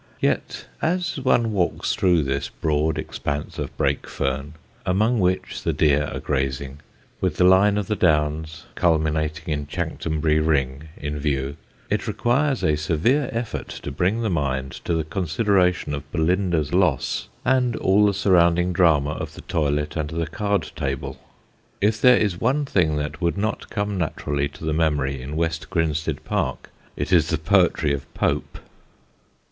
Yet as one walks through this broad expanse of brake fern, among which the deer are grazing, with the line of the Downs, culminating in Chanctonbury Ring, in view, it requires a severe effort to bring the mind to the consideration of Belinda's loss and all the surrounding drama of the toilet and the card table. If there is one thing that would not come naturally to the memory in West Grinstead park, it is the poetry of Pope.